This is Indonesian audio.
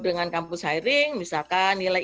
dengan kampus hiring misalkan nilai